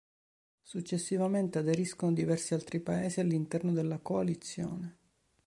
Successivamente aderiscono diversi altri paesi all'interno della coalizione.